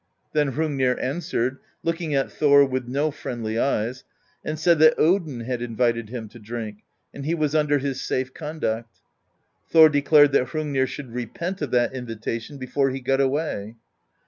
Then Hrungnir answered, looking at Thor with no friendly eyes, and said that Odin had invited him to drink, and he was under his safe conduct. Thor declared that Hrungnir should repent of that invitation before he got away.